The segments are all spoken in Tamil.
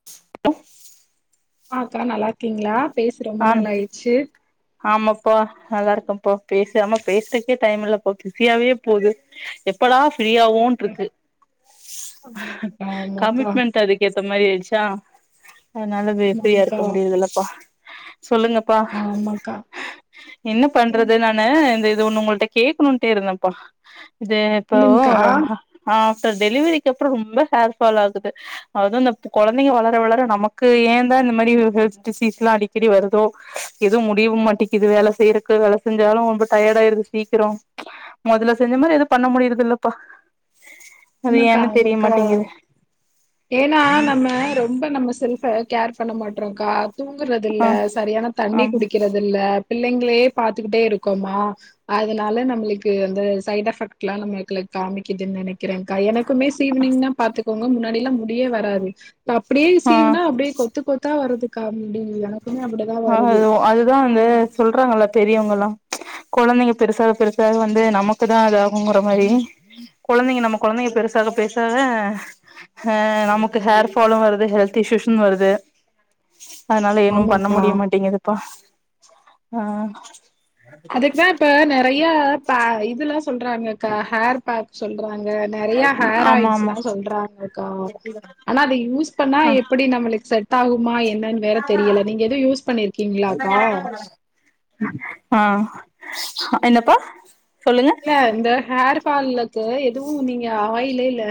[inaudible] ஆ அக்கா நல்லா இருக்கீங்களா பேசி ரொம்ப ஆ நாள் ஆயிடுச்சு ஆமாப்பா நல்லா இருக்கோம்ப்பா பேச ஆமா பேசுறதுக்கே டைம் இல்லப்பா பிஸியாவே போகுது எப்படா ஃப்ரீயாவோன் ருக்கு ஆமாக்கா கமிட்மெண்ட் அதுக்கேத்த மாரி ஆய்ச்சா அதனால ஃப்ரீயா ஆமாக்கா இருக்க முடியுதுல்லப்பா சொல்லுங்க ஆமாக்கா என்ன பண்றது நானு இந்த இது ஒண்ணு உங்கள்கிட்ட கேட்கணுட்டே இருந்தேன்ப்பா இது இப்பவு சொல்லுங்க்கா ரொம் ஆஃப்டர் டெலிவரிக்கு அப்புற ரொம்ப ஹேர் ஃபால் ஆகுது அதுவு இந்த குழந்தைங்க வளர வளர நமக்கு ஏன்தா இந்த மாரி ஹெல்த் டிசீஸ்ல்லா அடிக்கடி வருதோ எதுவு முடியவு மாட்டேக்குது வேலை செய்யறக்கு வேலை செஞ்சாலு ரொம்ப டயர்ட ஆயிருது சீக்கிரோ மொதல்ல செஞ்ச மாரி எது பண்ண முடியுரது இல்லப்பா அது ஆமாக்கா ஏன்னு தெரிய ஆமாக்கா மாட்டேங்குது ஏனா நம்ம ரொம்ப நம்ம செல்ஃப்ப கேர் பண்ண மாட்றோம்கா தூங்குறது இல்ல ஆ சரியான தண்ணி ஆமா குடிக்கறது இல்ல பிள்ளைங்களே பாத்துக்கிட்டே இருக்கோமா அதனால நம்மளுக்கு அந்த சைட் எஃபெக்ட் எல்லா நம்மலுகுள்ள காமிக்குதுன்னு நனைக்க கிரேங்க்கா எனக்குமே சீவினிங்னா பாத்துக்கோங்க முன்னாடி எல்லா முடியே வராது அப்படியே ஆ சீவுனா அப்டியே கொத்து கொத்தா வருதுக்கா அப்டி எனக்குமே அப்டி ஆ அது அதுதா வந்து சொல்றாங்கல்ல பெரியவங்கல்லா குழந்தைங்க பெருசாக பெருசாக வந்து நமக்குதா அதாகுங்கற மாரி குழந்தைங்க நம்ம குழந்தைங்க பெருசாக பெருசாக ஹ நமக்கு ஹேர் ஃபாலு வருது ஹெல்த் இஷ்யூஸும் வருது அதனால இன்னு பண்ண ஆமாக்கா. முடியமாட்டிங்குதுப்பா ஆ அதுக்கு தா இப்ப நெறைய பா இதுல்லா சொல்றாங்க க ஹேர் பேக் சொல்றாங்க நெறைய ஹேர் ஆமா ஆயில்ஸ் ஆமா எல்லா சொல்றாங்கக்கா ஆனா அத யூஸ் பண்ணா எப்படி நம்மளுக்கு செட் டாகுமா என்னன்னு வேற தெரியல நீங்க எதுவு யூஸ் பண்ணிருக்கீங்களாக்கா ஆ என்னப்பா சொல்லுங்க கா இந்த ஹேர் ஃபாலுக்கு எதுவு நீங்க ஆயில்லு இல்ல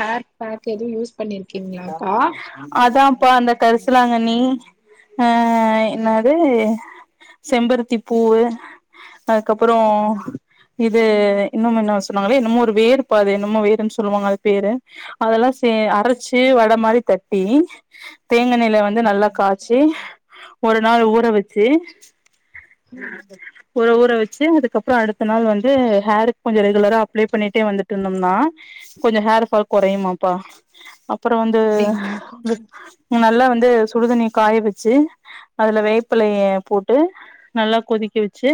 ஹேர் ஃபேக் எதுவு யூஸ் பண்ணியிருக்கீங்களாக்கா? அதான்பா அந்த கரிசலாங்கண்ணி ஆ என்னாது செம்பருத்தி பூவு அதுக்கப்புறோ இது இன்னமு என்ன சொன்னாங்களே என்னமோ ஒரு வேரு பாது என்னமோ வேர்ன்னு சொல்லுவாங்க அது பேரு அதெல்லா செ அர ச்சு வட மாரி தட்டி தேங்கெண்ணெய்ல வந்து நல்லா காய்ச்சி ஒரு நாள் ஊற வெச்சு ம். உற ஊற வச்சு அதுக்கப்புற அடுத்த நாள் வந்து ஹேருக்கு கொஞ்ச ரெகுலரா அப்ளே பண்ணிட்டே வந்துட்டு இருந்தோம்னா கொஞ்ச ஹேர்ஃபால் குறையுமாப்பா அப்புற வந்து அப்படிங்களாக்கா. நல்லா வந்து சுடுதண்ணிய காய வெச்சு அதுல வேப்பலைய போட்டு நல்லா கொதிக்க வெச்சு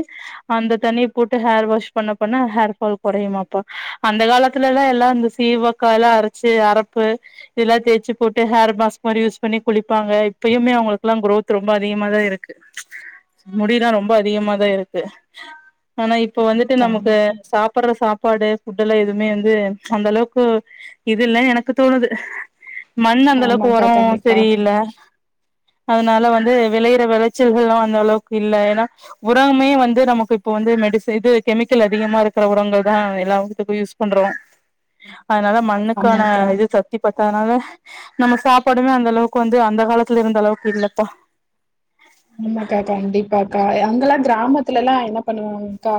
அந்த தண்ணிய போட்டு ஹேர் வாஷ் பண்ண பண்ண ஹேர் ஃபால் குறையுமாப்பா அந்த காலத்துல எல்லா இந்த சி சீவக்காய்லா அரைச்சு அரப்பு இதெல்லா தேச்சு போட்டு ஹேர் மாஸ்க் மாரி யூஸ் பண்ணி குளிப்பாங்க இப்பயுமே அவங்களுக்கெல்லா குரோத் ரொம்ப அதிகமாதா இருக்கு முடில்லா ரொம்ப அதிகமாதா இருக்கு ஆனா இப்ப வந்துட்டு நமக்கு கண்டிப்பா. சாப்புற சாப்பாடு ஃபுட்டலா எதுமே வந்து அந்த அளவுக்கு இது இல்ல எனக்கு தோணுது மண் அந்த அளவுக்கு ஆமாக்கா, ஒரோ கண்டிப்பா. சரியில்ல அதனால வந்து விளையிற வெளைச்சல்கள்லா அந்த அளவுக்கு இல்ல ஏனா உராமே வந்து நமக்கு இப்ப வந்து மெடிச இது கெமிக்கல் அதிகமா இருக்கிற உரங்கள் தா எல்லா இதுக்கு இப்ப யூஸ் பண்றோ அதனால மண்ணுக்கான ஆமாக்கா. இது சக்தி பத் தானால நம்ம சாப்பாடுமே அந்த அளவுக்கு வந்து அந்த காலத்துல இருந்த அளவுக்கு இல்லப்பா ஆமாக்கா கண்டிப்பாக்கா அங்கெல்லா கிராமத்துலலா என்ன பண்ணுவாங்க்கா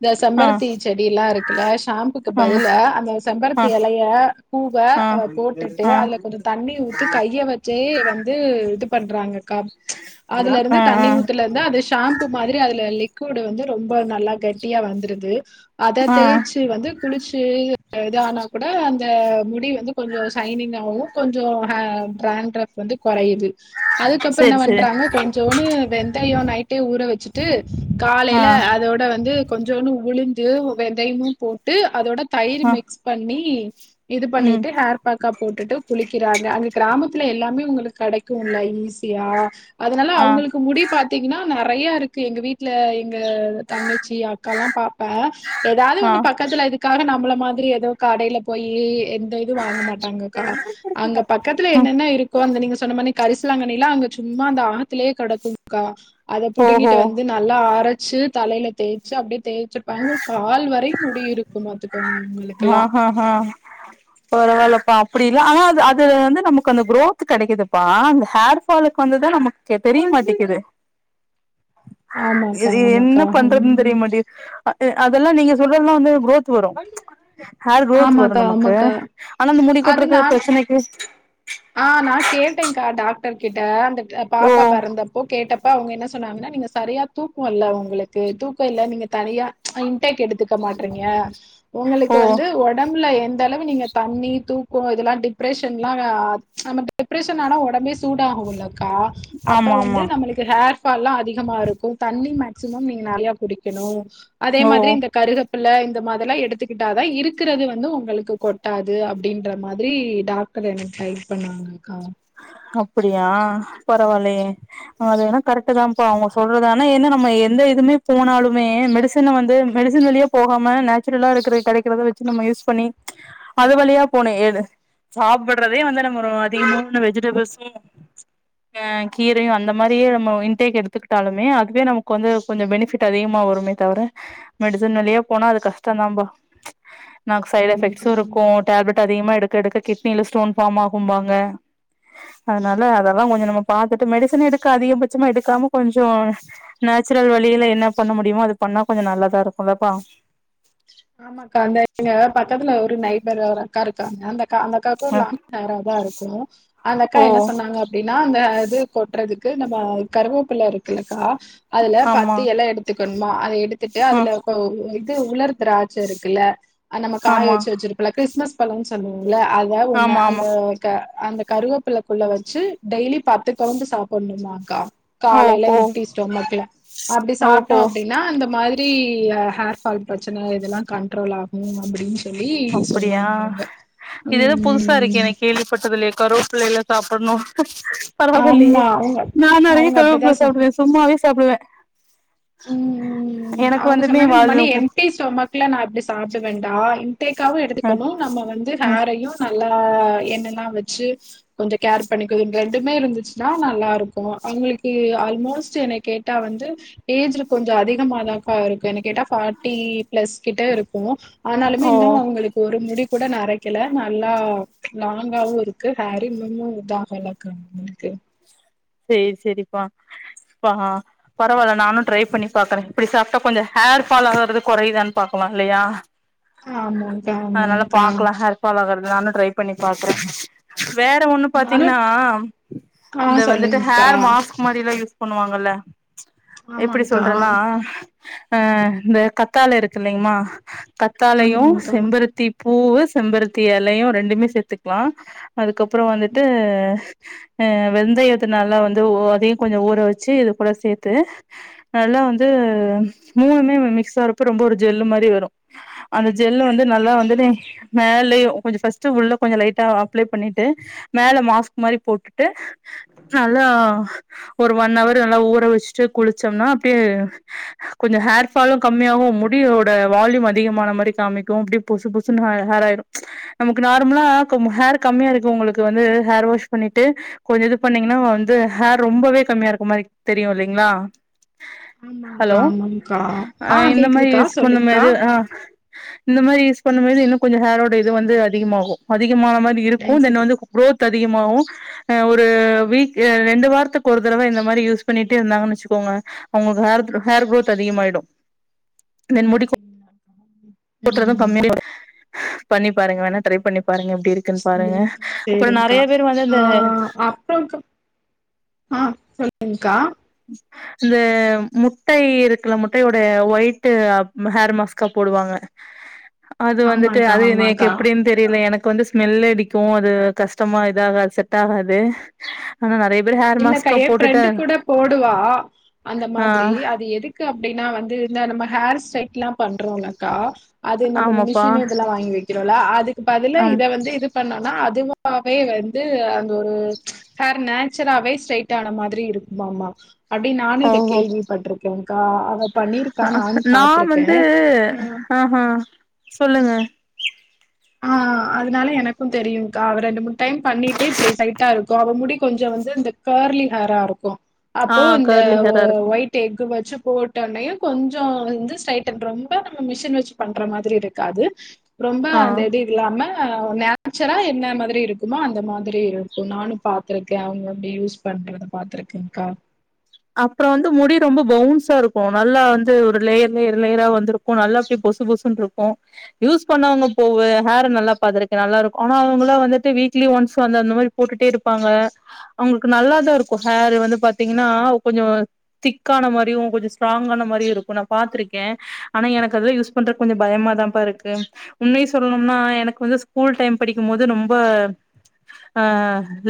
இந்த ஆ செம்பருத்தி செடிலா இருக்குல ஷாம்புக்கு ஆமா பதிலா அந்த செம்பருத்தி ஆ எலைய பூவ ஆ அத போட்டுட்டு ஆ அதுல கொஞ்ச தண்ணி ஊத்தி கைய வச்சே வந்து இது பண்றாங்க கா அதுலருந்து ஆ தண்ணி ஆ ஊத்துலருந்து அது ஷாம்பு மாதிரி அதுல லிக் யூடு வந்து ரொம்ப நல்லா கெட்டியா வந்துருது அத ஆ தேய்ச்சு வந்து குளிச்சு அ இது ஆனா கூட அந்த முடி வந்து கொஞ்ச ஷைனிங் ஆகு கொஞ்சோ ஹ ட்ராண்ட்ரஃப் வந்து கொறையுது அதுக்கப்பற என்ன செரி செரி பண்றாங்க கொஞ்சோனு வெந்தய நைட்டே ஊற வச்சுட் ட்டு ஆ காலைல அதோட வந்து கொஞ்சோனு உளுந்து வெந்தயமு போட்டு அதோட தயிரு ஆ மிக்ஸ் பண்ணி இது ம் பண்ணிட்டு ஹேர் பேக்கப் போட்டுட்டு குளிக்கிறாங்க அங்க கிராமத்துல எல்லாமே உங்களுக்கு கெடைக்குல்ல ஈஸியா அதுனால ஆ அவ்ங்களுக்கு முடி பாத்தீங்கனா நெறையா இருக்கு எங்க வீட்ல எங்க தங்கச்சி அக்காலா பாப்பா எதாவ்து ஆ ஒன்னு பக்கத்துல அதுக்காக நம்மள மாதிரி எதோ கடைல போயி எந்த இது வாங்க மாட்டாங்கக்கா அங்க பக்கத்துல ம் என்னென்ன இருக்கோ அந்த நீங்க சொன்ன மானி கரிசுலாங்கண்ணிலா அங்க சும்மா அந்த ஆத்துலே கெடக்கும்க்கா அத ஓஹோ புடுங்கிட்டு வந்து நல்லா அரைச்சு தலைல தேய்ச்சு அப்டியே தேய்ச்சிருப்பாங்க கால் வரயு முடி இருக் கு பாத்துகோங்க இவுங்களுக்குலா ஆ பரவால்லப்பா அப்டி இல்ல ஆனா அது அது வந்து நமக்கு அந்த குரோத்து கெடைக்குதுப்பா அந்த ஹேர் ஃபாலுக்கு வந்துதா நமக்கு தெ தெரிய மாட்டிக்குது [inaudible] ஆமாக்கா, இது என்ன ஆமாக்கா. பண்றதுன் தெரிய ம். மாட்டி அ எ அதெல்லா நீங்க சொல்றதுலா வந்து குரோத் வரு ஹேர் குரோத் வரு ஆமாக்கா, நமக்கு ஆமாக்கா. ஆனா இந்த முடி அது கொட்றக்கு நான் பிரச்சனைக்கு ஆ நா கேட்டேக்கா டாக்டர் கிட்ட அந்த க ஓ பாப்பா பெறந்தப்போ கேட்டப் ப அவுங்க என்ன சொன்னாங்கனா நீங்க சரியா தூக்கோ இல்ல உங்களுக்கு தூக்கோ இல்ல நீங்க தனியா அ இன்டேக் எடுத்துக்க மாட்றீங்க ஓ ஒங்களுக்கு வந்து ஒடம்புல எந்தளவு நீங்க தண்ணி தூக்கோ இதெல்லா டிப்ரெஷன்லா வா நம்ம டிப்ரெஷன் ஆனா ஒடம்பே சூட ஆகுதுல்லக்கா அப்ப ஆமா வந்து ஆமா நம்மளுக் க்கு ஹேர் ஃபால்லா அதிகமா இருக்கு தண்ணி மேக்சிமம் நீங்க நெறையா குடிக்கணு அதே ஓ மாதிரி ஓ இந்த கருகப் பில்ல இந்த மாதிரிலா எடுத்துக்கிட்டாதா இருக்கிறது வந்து ஒங்களுக்கு கொட்டாது அப்டின்ற மாதிரி டாக் டர் எனக்கு டைப் பண்ணுவாங்கக்கா அப்டியா பரவால்லயே அதுவேணா கரெக்டு தாம்ப்பா அவ்ங்க சொல்றது ஆனா ஏனா நம்ம எந்த இதுவுமே போனாலுமே மெடிச ன வந்து மெடிசின் வழியா போகாம நேச்சுரலா இருக்றது கெடைக்கிறத வெச்சு நம்ம யூஸ் பண்ணி அது வழியா போனே ஏது சாப்புட்றதே வந்து நம்மொரு அதிகமா வந்து வெஜிட் டபுள்சும் [inaudible] அ கீரையு அந்த மாரியே நம்ம இன்டேக் எடுத்துக்கிட்டாலுமே அதுவே நமக்கு வந்து கொஞ்சோ பெனிஃபிட் அதிகமா வருமே தவிர மெடிசன் வழியா போனா அது கஷ்டந்தாம்பா நாக் சைட் எஃபெக்ட்ஸும் ஆமாக்கா இருக்கும் டேப்லெட் அதிகமா எடுக்க எடுக்க கிட்னில ஸ்டோன் ஃபார்ம் ஆகும்பாங்க அதுனால அதெல்லா கொஞ்சோ நம்ம பாத்துட்டு மெடிசன் எடுக்க அதிகபட்சமா எடுக்காம கொஞ்சோ நேச்சுரல் வழியில என்ன பண்ண முடியுமோ அது பண்ணா கொஞ்சோ நல்லாதா இருக்குல்லப்பா ஆமாக்கா அந்த எங்க பக்கத்துல ஒரு நைபர் வேற அக்கா இருக்காங்க அந்தகா அந்த அக்காகு ஒரு அ லாங் ஹேரா தா இருக்கு அந்த அக்கா ஓ என்ன சொன்னாங்க அப்டின்னா அந்த இது கொட்றதுக்கு நம்ம கருவப்ல இருக்குலக்கா அதுல ஆமா பத்து எல எடுத் த்துக்கணுமா அத எடுத்துட்டு ஆ அதுல கோ ஓ இது உலர் த்ராச்ச இருக்குல அ நம்ம காய ஆமா வச்சு வச்சிருப்பல கிறிஸ்மஸ் பழோனு சொல்லுவோம்ல அத உண்ண ஆமா ஆமா அந்த க அந்த கருவப்லக்குள்ள வச்சு டெய்லி பத்து கவுண்டு சாப்படணுமாக்கா ஓ காலைல ஓ எம்டி ஸ்டொமக்ல அப்டி ஓஹோ சாப்ட்டோம் அப்டின்னா அந்த மாதி ரி ஹேர்ஃபால் ப்ரச்சன இதெல்லா கண்ட்ரோல் ஆகும் அப்டின்னு அப்படியா இது எதோ புதுசா இருக்கே ம். எனக்கு கேள்விப்பட்டதி ல்லயே கருவப் பில்லேல சாப்ப‌டணு பரவாவில்லயே ஆமா. அவங்க நா நெறைய அவங்க கருவேப்பில அப்படிதான் சாப்டுவேஸ் சும்மாவே சாப்டுவே உம் உ எனக்கு அவுங்க வந்துமே சொன்னாங்க இந்த வாழ் மாணி எம்டி ஸ்டொமக் இல்ல நா‌ இப்டி சாப்பிடுவேடா இன்டேக்காவும் ம் எடுத்துக்கணு நம்ம வந்து ம் ஹேரையு நல்லா என்னல்லாம் வச்சு கொஞ்ச கேர் பண்ணிக்கு ரெண்டுமே இருந்துச்சுன்னா நல்லாருக்கும் அவுங்களுக்கு ஆல்மோஸ்ட் எனைய கேக் ட்டா வந்து ஏஜ்ல கொஞ்சோ அதிகமாதாங்கா இருக்கு என்ன கேட்டா ஃபாட்டி ப்ளஸ் கிட்ட இருக்கும் ஆனாலுமே இன்னும் ஓ அவுங்களுக்கு ஒரு முடி கூட நெரக்கெல நல்லா லாங்காவும் இருக் க்கு ஹேர் இன்னும்மு இதாகலக்கா ன்க்கு செரி செரிப்பா பா பரவால்ல நானு ட்ரை பண்ணி பாக்குறேன் இப்டி சாப்ட்டா கொஞ்சோ ஹேர் ஃபால் ஆறது கொறையுதான்னு பாக்கலாம் இல்லையா ஆமாக்கா ஆமாங்கா பழதற நானு ட்ரை பண்ணி பாக்குறே வேற ஒண்ணு நானும் பாத்தீங்கன்னா ஆ இந்த வந்து சொல்லுங்கக்கா. மடில யூஸ் பண்ணுவாங்கல்ல எப்டி ஆமாங்க்கா சொல்றேன்னா அ இந்த கத்தால இருக்குலீங்கமா கத்தாலையும் ஆமாங்க்கா செம்பருத்தி பூவு செம்பருத்தி எலையும் ரெண்டுமே சேத்துக்கலா அதுக்கப்றோ வந்துட்டு அ வெந்தயத்த நல்லா வந்து ஒதையும் கொஞ்சோ ஊற வச்சு இது கூட சேத்து நல்லா வந்து மூணுமே மிக்ஸ் வரப்ப ரொம்ப ஒரு ஜெல்லு மாறி வரு அந்த ஜெல்ல‌ வந்து நல்லா வந்ததே மேலயு கொஞ்சோ ஃபஸ்ட் உள்ள கொஞ்சோ லைட்டா அப்ளை பண்ணிட்டு மேல மாஸ்க் மாரி போட்டுட்டு நல்லா ஒரு ஒண்ணவர் நல்லா ஊற வச்சுட்டு குளிச்சோம்னா அப்டியே கொஞ்சோ ஹேர்ஃபாலு கம்மியாகும் முடியோட வால்யூம் அதிகமான மாதிரி காமிக்கும் அப்டி புசு புசுன்னு ஹ ஹேராயிடும் நமக்கு நார்மலா கும் ஹேர் கம்மியாருக்றவுங்களுக்கு வந்து ஹேர் வாஷ் பண்ணிட்டு கொஞ்சோயிது பண்ணீங்கன்னா வந்து ஹேர் ரொம்பவே கம்மியாயிருக்கும் மாரி தெரியு இல்லைங்களா ஆமாங்க்கா ஹலோ ஆமாங்க்கா அ ஆ இந்த மானி கேக்குதுக்கா யூஸ் சொல்லுங்க்கா பண்ணமாதி ஆ இந்த மாரி யூஸ் பண்ணும் பொழுது இன்னு கொஞ்சோ ஹேரோட இது வந்து அதிகமாகு அதிகமான மாரி இருக்கு தென் டென்சிட்டி வந்து குரோத் அதிகமாவு அ ஒ ஒரு வீக் ரெண்டு வாரத்துக்கு ஒரு தடவ இந்த மாரி யூஸ் பண்ணிட்டே இருந்தாங்கன்னு வெச்சுக்கோங்க அவங்களுக்கு ஹேர்த் ஹேர் குரோத் அதிகமாயிடு அப்டிங்களா [inaudible] ஊத்துறது [inaudible] பண்ணி பாருங்க வேணா ட்ரை பண்ணி பாருங்க எப்டி இருக் [inaudible] சேரிங்கா ஆ இந்த அப்பறோ கா ஆ சொல்லுங்க்கா ம் இந்த முட்டை இருக்குல்ல முட்டையோட ஒயிட்டு் அப் ஹேர் மாஸ்கா போடுவாங்க அது வந்துட்டு ஆமாங்க்கா அது [unintelligible] ஆமாங்க்கா எப்டின்னு தெ தெரில எனக்கு வந்து ஸ்மெல் அடிக்கு அது கஷ்டமா இத ஆகாது செட் ஆகாது அனா நறைய பேர் ஹேர் இல்லக்கா மாஸ்க்கா எ போட்டுட்டு ஃப்ரெண்டு கூட போடுவா அந்த ஆ மாதிரி அது எதுக் கு அப்படின்னா வந்து இந்த நம்ம ஹேர் ஸ்ட்ரைட்லா பண்றோல்லக்கா அது நம்ம ஆமாப்பா மிஷினு இதெல்லா வாங்கி வெக்கறோல்ல அதுக்கு பதில ஆம் இத வந்து இது பண்ணோனா அதுவாவே வந்து அந்த ஒரு ஹேர் நே ச்சராவே ஸ்ட்ரைட் ஆனா மாதிரி இருக்குமாம்மா அப்டி நானு இத ஓஹோ கேள்விப்பட்ருக்கங்கா அவ பண்ணீயிருக்கா நானு பாத்துருக்க து ஆஹா சொல்லுங்க ஆ அதனால எனக்கு தெரியுங்க்கா அவ ரெண்டு மூணு டைம் பண்ணீட்டு இப்படி சைட்டா இருக்கு அவ முடி கொஞ்சோ வந்து இந்த கர்லி ஹேரா இருக்கு ஆ அப்போ இந்த கர்லி ஒ ஹேரா இருக்கு ஒயிட் டெஃகு வெச்சு போட்டன்னையு கொஞ்சோ வந்து ஸ்ட்ரைட்டன் ரொம்ப நம்ம மிஷின் வெச்சு பண்ற மாதிரி இருக்காது ரொம்ப ஆ அந்த இது இல்லாம நேச்சரா என்ன மாதிரி இருக்கும்மோ அந்த மாதிரி இருக்கு நானு பாத்துருக்க அவங்க அப்டி யூஸ் பண்றத பாத்துருக்கங்கா அப்பறோ வந்து முடி ரொம்ப பவுன்சா இருக்கு நல்லா வந்து ஒரு லேயர் லேயர் லேயரா வந்துருக் கு நல்லா அப்டியே பொசு பொசுன்ருக்கு. யூஸ் பண்ணவங்க போவ ஹேர்ற நல்லா பாத்துருக்க நல்லா இருக்கு அனா அவங்களா வந்துட்டு வீக்லி ஒன்ஸ் அந்த அந்த மாரி போட்டுட்டே இருப்பாங்க அவங்களுக்கு நல்லா தா இருக்கு ஹேரு வந்து பாத்திங்கன்னா கொஞ்சோ திக்கான மாரியு கொஞ்சோ ஸ்ட்ராங்கான மாரியு இருக்கு நா பாத்திருக்கே. அனா எனக்கு அதுல யூஸ் பண்றக் கொஞ்சோ பயமாதாப்ப இருக்கு உண்மைய சொல்லணும்னா எனக்கு வந்து ஸ்கூல் டைம் படிக்கும் போது ரொம்ப ஆ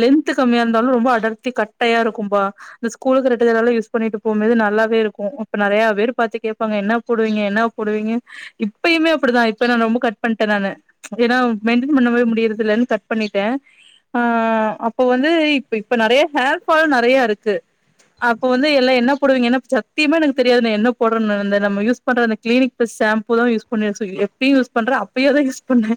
லென்த்து கம்மியா இருந்தாலு ரொம்ப அடர்த்தி கட்டையா இருக்கும்பா இந்த ஸ்கூலுக்கு ரெட் ட ஜடலா யூஸ் பண்ணிட்டு போம்போது நல்லாவே இருக்கு அப்ப நறையா பேரு பாத்து கேப்பாங்க என்னா போடுவீங்க என்னா போடுவீங்க இப்பயுமே அப்படிதா இப்ப நான் ரொம்ப கட் பண்ட்டன் நானு ஏன்னா மெயின்டைன் பண்ணவே முடியறதுல்லன்னு கட் பண்ணிட்ட அ அ அப்ப வந்து இப்ப இப்ப நறைய ஹேர் ஃபால் நறைய இருக்கு அப்போ வந்து எல்லா என்ன போடுவீங்க என்னப் சத்தியமா எனக்கு தெரியாது நா என்ன போடறன்னு இந்த நம்ம யூஸ் பண்ற அந்த கிளினிக் இப்ப ஷாம்பூ தா யூஸ் பண்ணி [unintelligible] எப்பயு யூஸ் பண்ற அப்பயேதா யூஸ் பண்ணே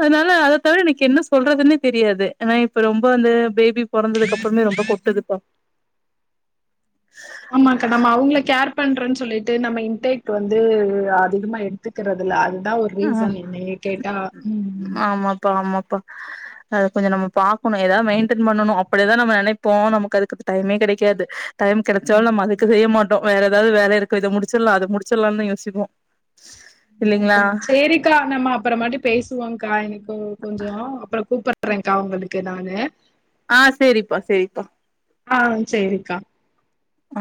அதனால அத தவர எனக்கு என்ன சொல்றதுன்னே தெரியாது எனா இப்ப ரொம்ப அந்த பேபி பொறந்தது அப்பறமே ரொம்ப கொட்டுதுப்பா ஆமாக்கா ஆமா அவங்கள கேர் பண்றேன்னு சொல்லிட்டு நம்ம இன்டெக் வந்து அதிகமா எடுத்துக்கிறது இல்ல அதுதா ஒர் ஆ ரீசன் என்னைய கேட்டா ம்ம் ப்பாமாப்பா அத கொஞ்ச நம்ம பாக்கணு ஏதாவது மெயின்டெயன் பண்ணணு அப்டிதா நெனைப்போ நமக்கு அதுக்கு டைமே கிடைக்காது டைம் கிடைச்சாலு ம். நம்ம அது செய்யமாட்டோ வேற ஏதாவது வேல இருக்கு இத முடிச்சிடலா அத முடிச்சிடலாம்னு தா யோசிப்போ [inaudible] க்கா இல்லைங்களா செரிக்கா நம்ம அப்புற மாட்டி பேசுவோங்கா எனக்கு கொஞ்சோ அப்புறம் கூப்படுறேங்கா உங்களுக்கு நானு ஆ செரிப்பா செரிப்பா ஆ செரிக்கா ஆ